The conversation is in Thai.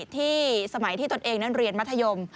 ที่สมัยที่ตนเองนั้นเรียนมัธยม